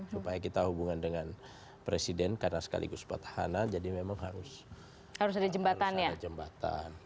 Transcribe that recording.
supaya kita hubungan dengan presiden karena sekaligus petahana jadi memang harus ada jembatan